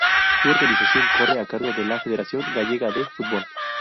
Su organización corre a cargo de la Federación Gallega de Fútbol.